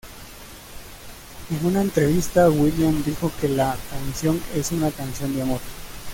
En una entrevista, Williams dijo que la canción es una canción de amor.